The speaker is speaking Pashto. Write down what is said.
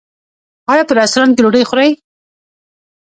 ایا په رستورانت کې ډوډۍ خورئ؟